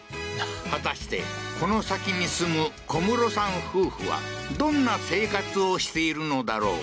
果たして、この先に住むコムロさん夫婦は、どんな生活をしているのだろう？